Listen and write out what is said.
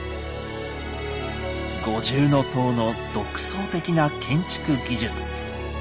五重塔の独創的な建築技術。